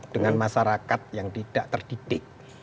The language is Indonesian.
dengan masyarakat yang tidak terdidik